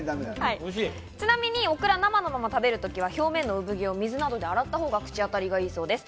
オクラ、生のまま食べる時は、表面の産毛を水などで洗ったほうが口当たりが良いそうです。